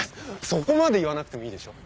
そこまで言わなくてもいいでしょ。